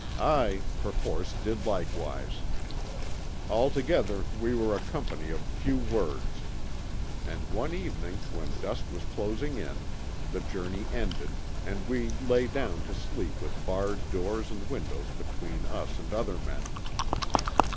I perforce, did likewise. Altogether, we were a company of few words. And one evening, when dusk was closing in, the journey ended, and we lay down to sleep with barred doors and windows between us and other men.